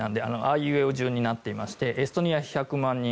あいうえお順になっていますがエストニアは１００万人